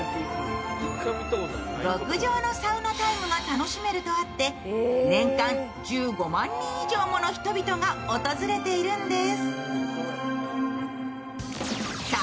極上のサウナタイムが楽しめるとあって年間１５万人以上もの人々が訪れているんです。